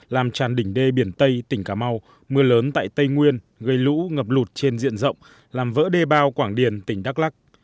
làm tràn đỉnh đê biển tây tỉnh cà mau mưa lớn tại tây nguyên gây lũ ngập lụt trên diện rộng làm vỡ đê bao quảng điền tỉnh đắk lắc